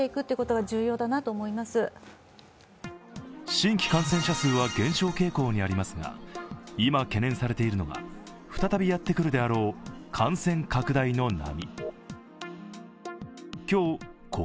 新規感染者数は減少傾向にありますが、今懸念されているのが、再びやってくるであろう感染拡大の波。